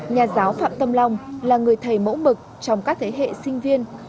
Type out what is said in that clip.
nhà giáo phạm tâm long là người thầy mẫu mực trong các thế hệ sinh viên